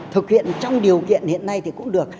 thực hiện trong điều kiện hiện nay thì cũng được